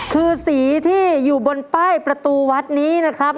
คือสีที่อยู่บนป้ายประตูวัดนี้นะครับ